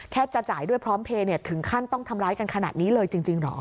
จะจ่ายด้วยพร้อมเพลย์ถึงขั้นต้องทำร้ายกันขนาดนี้เลยจริงเหรอ